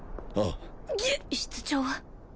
ああ室長は？